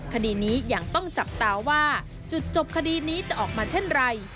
คดีนี้ยังต้องจับตาว่าจุดจบคดีนี้จะออกมาเช่นไร